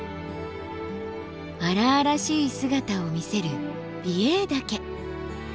荒々しい姿を見せる美瑛岳。